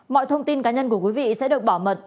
mọi thông tin cá nhân của quý vị sẽ được bảo mật